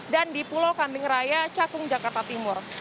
dan di pulau kambing raya cakung jakarta timur